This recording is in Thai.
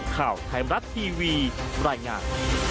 ข่าวไทยมรัฐทีวีรายงาน